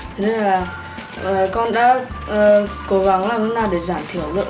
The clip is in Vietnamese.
thế nên là con đã cố gắng làm ra để giảm thiểu lượng